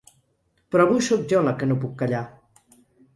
Però avui sóc jo la que no puc callar.